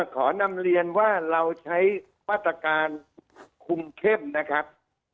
ขอนำเรียนว่าเราใช้มาตรการคุมเข้มนะครับ